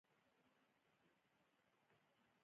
افغانستان تر هغو نه ابادیږي، ترڅو خپلمنځي باور پیدا نشي.